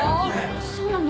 そうなの？